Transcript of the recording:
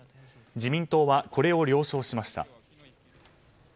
自民党はこれを了承しました。